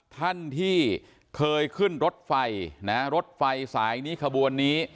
ท่านที่เคยขึ้นรถไฟนะรถไฟสายนี้ขบวนนี้